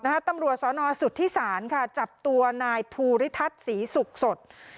ตำรวจสอนอสุทธิศาลค่ะจับตัวนายภูริทัศน์ศรีศุกร์สด